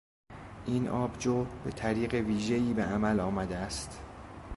این آبجو به طریق ویژهای به عمل آمده است.